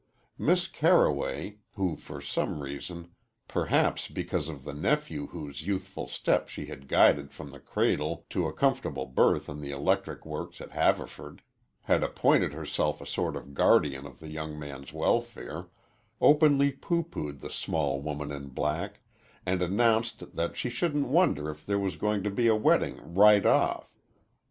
Miss Carroway, who for some reason perhaps because of the nephew whose youthful steps she had guided from the cradle to a comfortable berth in the electric works at Haverford had appointed herself a sort of guardian of the young man's welfare, openly pooh poohed the small woman in black, and announced that she shouldn't wonder if there was going to be a wedding "right off."